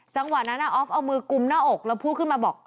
จังหวะนั้นออฟเอามือกุมหน้าอกแล้วพูดขึ้นมาบอก